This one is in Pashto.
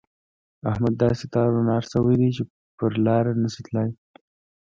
احمد داسې تار و نار شوی دی چې پر لاره نه شي تلای.